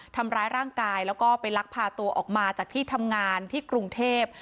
ทำร้ายร่างกายแล้วก็ไปลักพาตัวออกมาจากที่ทำงานที่กรุงเทพ